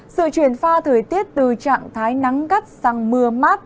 sự chuyển pha thời tiết từ trạng thái nắng gắt sang mưa mát